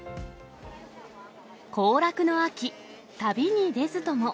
行楽の秋、旅に出ずとも。